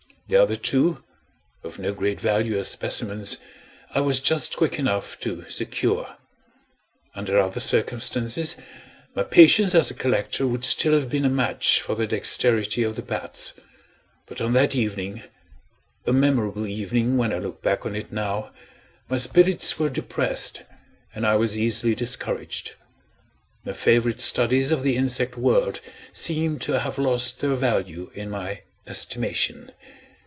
The other two, of no great value as specimens, I was just quick enough to secure. Under other circumstances, my patience as a collector would still have been a match for the dexterity of the bats. But on that evening a memorable evening when I look back at it now my spirits were depressed, and I was easily discouraged. My favorite studies of the insect world seemed to have lost their value in my estimation.